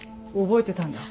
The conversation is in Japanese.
覚えてたんだ。